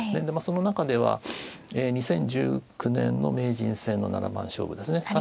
でその中では２０１９年の名人戦の七番勝負ですね。